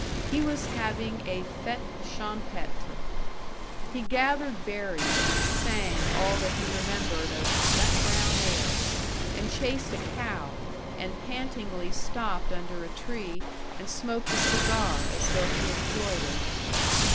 He was having a fête champêtre. He gathered berries and sang all that he remembered of "Nut Brown Ale," and chased a cow and pantingly stopped under a tree and smoked a cigar as though he enjoyed it.